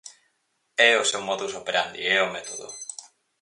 É o seu modus operandi, é o método.